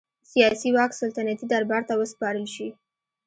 سیاسي واک سلطنتي دربار ته وسپارل شي.